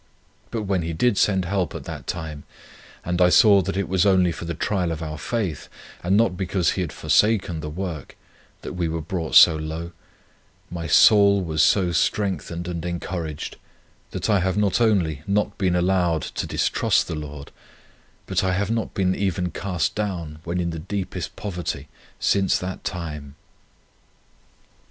But when He did send help at that time, and I saw that it was only for the trial of our faith, and not because He had forsaken the work, that we were brought so low, my soul was so strengthened and encouraged, that I have not only not been allowed to distrust the Lord, but I have not been even cast down when in the deepest poverty since that time."